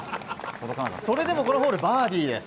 それでもこのホール、バーディー。